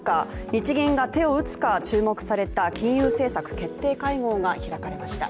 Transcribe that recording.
日銀が手を打つか注目された金融政策決定会合が開かれました。